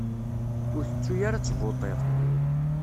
Ur tettu ara ad tvuṭiḍ!